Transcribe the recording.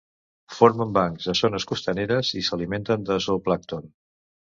Formen bancs a zones costaneres i s'alimenten de zooplàncton.